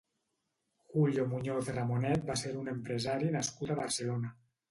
Julio Muñoz Ramonet va ser un empresari nascut a Barcelona.